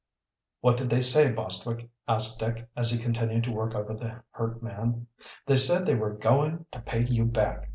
"What did they say, Bostwick?" asked Dick, as he continued to work over the hurt man. "They said they were going to pay you back.